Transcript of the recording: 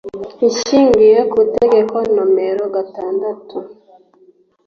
Ishingiye ku Itegeko nomero gatandatu